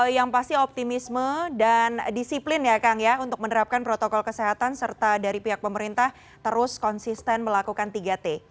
yang pasti optimisme dan disiplin ya kang ya untuk menerapkan protokol kesehatan serta dari pihak pemerintah terus konsisten melakukan tiga t